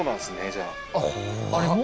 じゃああれも？